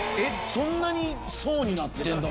そんなに層になってるの？